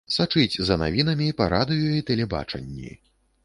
Сачыць за навінамі па радыё і тэлебачанні.